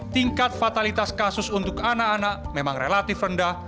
tingkat fatalitas kasus untuk anak anak memang relatif rendah